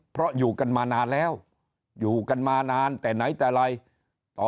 เพราะอยู่กันมานานแล้วอยู่กันมานานแต่ไหนแต่ไรต่อ